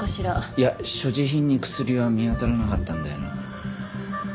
いや所持品に薬は見当たらなかったんだよな。